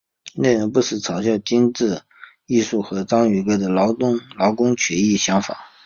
内容不时嘲笑精致艺术和章鱼哥的劳工权益想法。